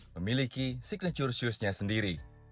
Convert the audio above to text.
memiliki signature shoes nya sendiri